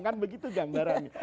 kan begitu gambaran